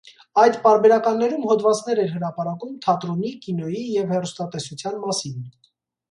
Այդ պարբերականներում հոդվածներ էր հրապարակում թատրոնի, կինոյի և հեռուստատեսության մասին։